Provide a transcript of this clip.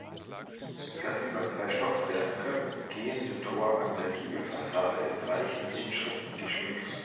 Das über zwei Stockwerke gehende Tor an der Giebelfassade ist reich mit Inschriften geschmückt.